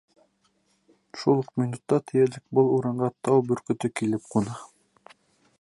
Шул уҡ минутта тиерлек был урынға тау бөркөтө килеп ҡуна.